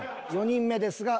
４人目ですが。